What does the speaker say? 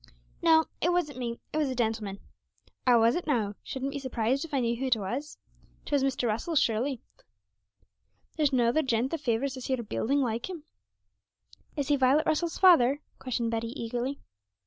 'No, it wasn't me; it was a gentleman.' 'Ah, was it now? Shouldn't be surprised if I knew who it was! 'Twas Mr. Russell, surely! There's no other gent that favours this 'ere building like him.' 'Is he Violet Russell's father?' questioned Betty eagerly.